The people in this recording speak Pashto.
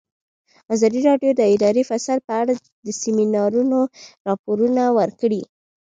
ازادي راډیو د اداري فساد په اړه د سیمینارونو راپورونه ورکړي.